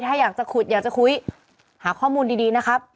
ถ้าอยากจะขุดอยากจะคุยหาข้อมูลดีนะครับ